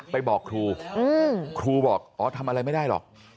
ไปบอกครูครูบอกอ๋อทำอะไรไม่ได้หรอก